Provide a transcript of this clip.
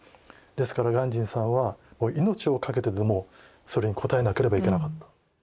ですから鑑真さんは命を懸けてでもそれに応えなければいけなかった。